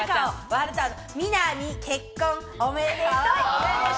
みなみ、結婚おめでとう！